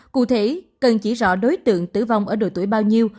cụ thể cần chỉ rõ đối tượng tử vong ở độ tuổi bao nhiêu